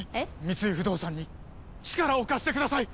三井不動産に力を貸してください！